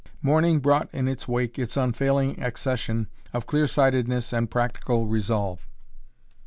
Morning brought in its wake its unfailing accession of clear sightedness and practical resolve.